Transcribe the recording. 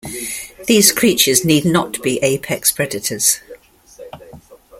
These creatures need not be apex predators.